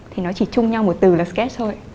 thì nó chỉ chung nhau một từ là scast thôi